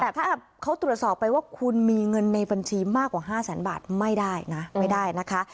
แต่ถ้าเขาตรวจสอบไปว่าคุณมีเงินในบัญชีมากกว่า๕แสนบาทไม่ได้นะไม่ได้นะคะ